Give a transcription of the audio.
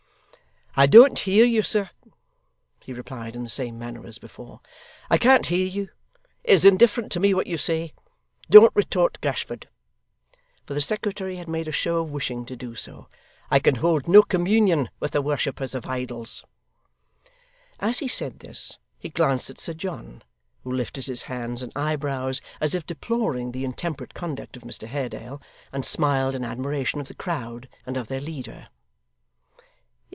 'I don't hear you, sir,' he replied in the same manner as before; 'I can't hear you. It is indifferent to me what you say. Don't retort, Gashford,' for the secretary had made a show of wishing to do so; 'I can hold no communion with the worshippers of idols.' As he said this, he glanced at Sir John, who lifted his hands and eyebrows, as if deploring the intemperate conduct of Mr Haredale, and smiled in admiration of the crowd and of their leader.